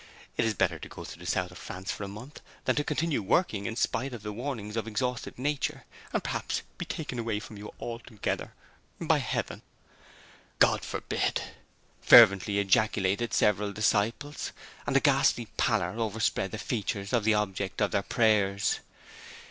It is better to go to the South of France for a month than to continue Working in spite of the warnings of exhausted nature and perhaps be taken away from you altogether to Heaven.' 'God forbid!' fervently ejaculated several disciples, and a ghastly pallor overspread the features of the object of their prayers.